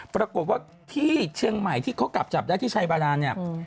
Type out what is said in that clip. ปรากฏว่าที่เชียงใหม่ที่เขากลับจับได้ที่ชัยบาดานเนี่ย